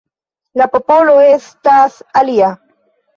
La popolo estas alia.